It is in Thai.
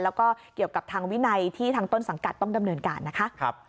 แล้วก็เกี่ยวกับทางวินัยที่ทางต้นสังกัดต้องดำเนินการนะคะ